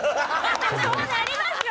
そうなりますよ